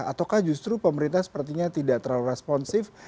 ataukah justru pemerintah sepertinya tidak terlalu responsif